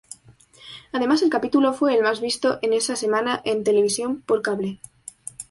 Además el capítulo fue el más visto en esa semana en televisión por cable.